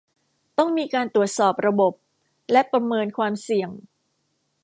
ต้องมีการตรวจสอบระบบ และประเมินความเสี่ยง